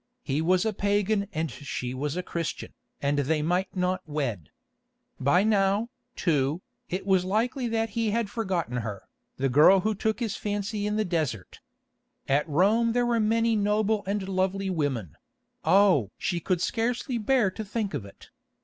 He was a pagan and she was a Christian, and they might not wed. By now, too, it was likely that he had forgotten her, the girl who took his fancy in the desert. At Rome there were many noble and lovely women—oh! she could scarcely bear to think of it.